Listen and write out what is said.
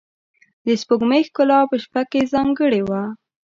د سپوږمۍ ښکلا په شپه کې ځانګړې وه.